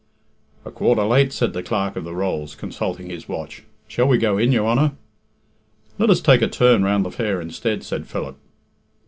"A quarter late," said the Clerk of the Rolls, consulting his watch. "Shall we go in, your Honor?" "Let us take a turn round the fair instead," said Philip.